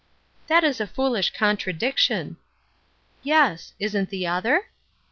" That is a foolish contradiction." " Yes ; isn't the other ?